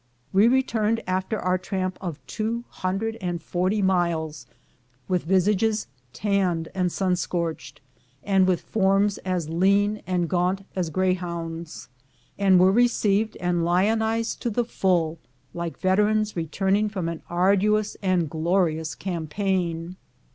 We returned after our tramp of two hundred and forty miles with visages tanned and sun scorched, and with forms as lean and gaunt as greyhounds, and were received and lionized to the full, like veterans returning from an arduous and glorious campaign.